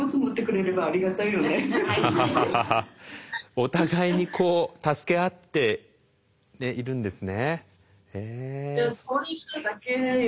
お互いにこう助け合っているんですね。